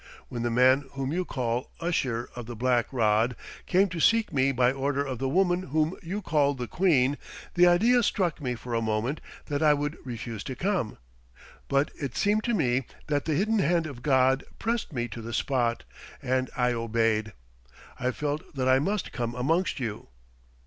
When the man whom you call Usher of the Black Rod came to seek me by order of the woman whom you call the Queen, the idea struck me for a moment that I would refuse to come. But it seemed to me that the hidden hand of God pressed me to the spot, and I obeyed. I felt that I must come amongst you.